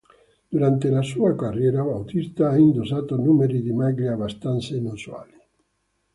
Durante la sua carriera, Bautista ha indossato numeri di maglia abbastanza inusuali.